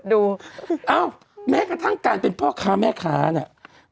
ก็อารู้หรือยังอ้าวแม้กระทั่งการเป็นพ่อค้าแม่ค้าเนี่ย